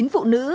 chín phụ nữ